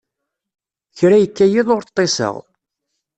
Kra ikka yiḍ ur ṭṭiseɣ.